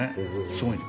すごい。